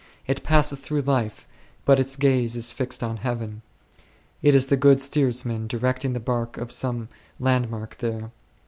It passes through life, but its gaze is fixed on heaven ; it is the good steersman directing the bark to some landmark there.